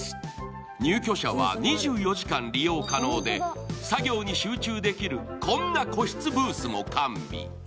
入居者は２４時間利用可能で作業に集中できるこんな個室ブースも完備。